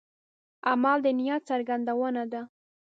عمل د نیت څرګندونه ده.